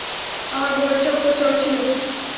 আমার বউয়ের চক্কর চলছিলো!